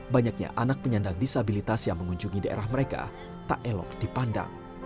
banyaknya anak penyandang disabilitas yang mengunjungi daerah mereka tak elok dipandang